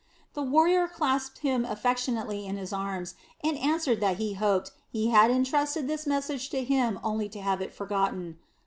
The warrior clasped him affectionately in his arms and answered that he hoped he had entrusted this message to him only to have it forgotten.